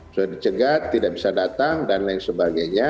sudah dicegat tidak bisa datang dan lain sebagainya